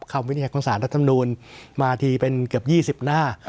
คำวินิจัยของศาลสัตว์นำนูนมาทีเป็นเกือบ๒๐หน้า